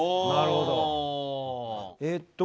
なるほど。